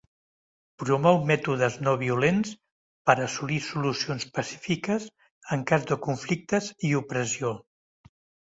Promou mètodes no violents per assolir solucions pacífiques en cas de conflictes i opressió.